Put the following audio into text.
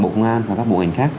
bộ công an và các bộ ảnh khác